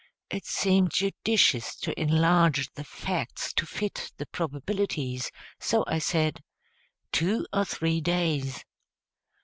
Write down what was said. It seemed judicious to enlarge the facts to fit the probabilities; so I said, "Two or three days."